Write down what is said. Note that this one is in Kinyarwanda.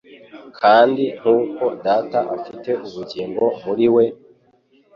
"Kandi nkuko Data afite ubugingo muri we,,